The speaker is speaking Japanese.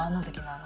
あの。